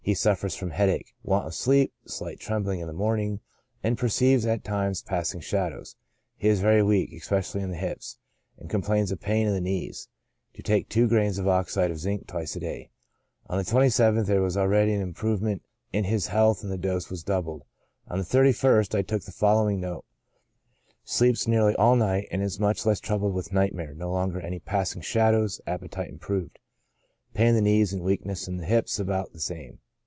He suff'ers from headache, want of sleep, slight trembling in the morning, and perceives, at times, passing shadows. He is very weak, especially in the hips, and complains of pain in the knees. To take two grains of oxide of zinc twice a day. On the 27th there was already an improvement in his health, and the dose was doubled ; on the 31st, I took the following note :" Sleeps nearly all night, and is much less troubled with nightmare ; no longer any passing shadows : appetite improved. Pain in the knees and weakness in the hips abdut the same.